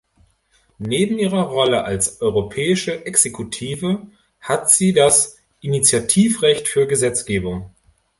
Neben ihrer Rolle als europäische Exekutive, hat sie das Initiativrecht für Gesetzgebung.